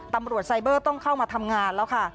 ตำรวจไซเบอร์ต้องเข้ามาทำงานแล้วค่ะ